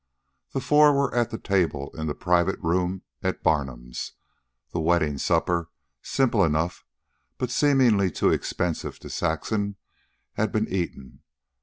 The four were at the table in the private room at Barnum's. The wedding supper, simple enough, but seemingly too expensive to Saxon, had been eaten.